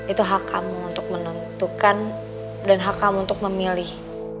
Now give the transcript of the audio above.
itu hak kamu untuk menentukan dan hak kamu untuk memilih